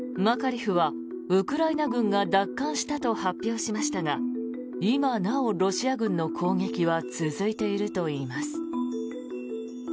マカリフはウクライナ軍が奪還したと発表しましたが今なお、ロシア軍の攻撃は続いているといいます。